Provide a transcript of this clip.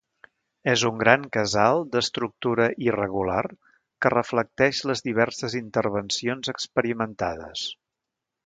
És un gran casal d'estructura irregular que reflecteix les diverses intervencions experimentades.